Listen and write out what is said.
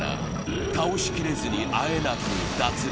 倒しきれずに、あえなく脱落。